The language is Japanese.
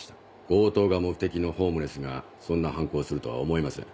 強盗が目的のホームレスがそんな犯行をするとは思えません。